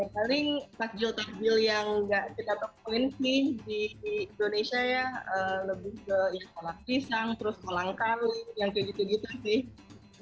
paling takjil takjil yang nggak kita tokoin sih di indonesia ya lebih ke ya kolak pisang terus kolang kali yang kayak gitu gitu sih